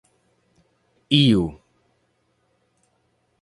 iu